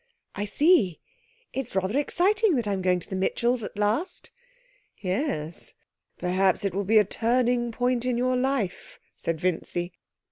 'I see. It's rather exciting that I'm going to the Mitchells at last.' 'Yes, perhaps it will be the turning point of your life,' said Vincy.